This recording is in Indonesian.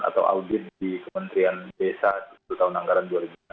atau audit di kementerian desa di tahun anggaran dua ribu enam belas